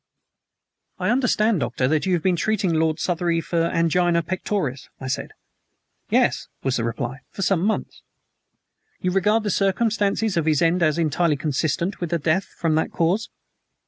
"I understand, Doctor, that you had been treating Lord Southery for angina pectoris?" I said. "Yes," was the reply, "for some months." "You regard the circumstances of his end as entirely consistent with a death from that cause?"